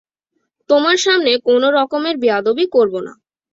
তোমার সামনে কোনোরকমের বেয়াদবি করব না!